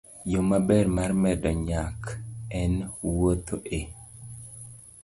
Yo maber mar medo nyak en wuotho e